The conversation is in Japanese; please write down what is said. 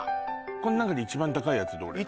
この中で一番高いやつどれなの？